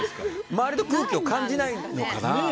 周りの空気を感じないのかな。